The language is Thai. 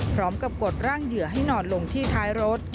พร้อมกับกดร่างเหยื่อให้หนอดลงที่ท้ายรถ